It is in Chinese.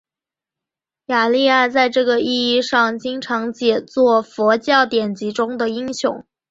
雅利亚在这个意义上经常解作佛教典籍中的英雄。